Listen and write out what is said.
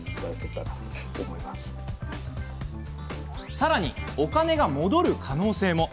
さらに、お金が戻る可能性も。